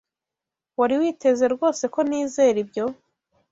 Wari witeze rwose ko nizera ibyo?